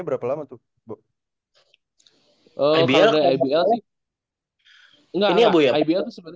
berapa lama tuh bok oh ibl ibl